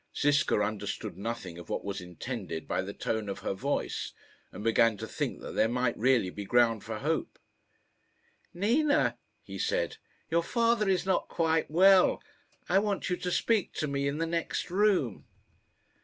Ziska understood nothing of what was intended by the tone of her voice, and began to think that there might really be ground for hope. "Nina," he said, "your father is not quite well. I want you to speak to me in the next room."